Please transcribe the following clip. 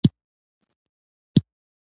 او پوځي قومندانانو ته یې وویل چې